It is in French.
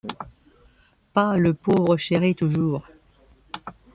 Pas le pauvre chéri toujours...